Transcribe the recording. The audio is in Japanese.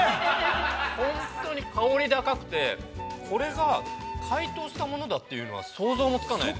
本当に香り高くてこれが解凍したものだっていうのは想像もつかない。